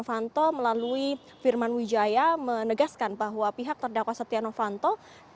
novanto melalui firman wijaya menegaskan bahwa pihak terdakwa setia novanto